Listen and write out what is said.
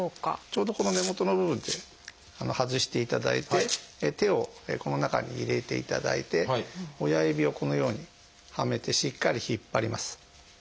ちょうどこの根元の部分で外していただいて手をこの中に入れていただいて親指をこのようにはめてしっかり引っ張ります。